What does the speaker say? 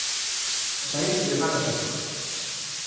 Saír de malas épocas.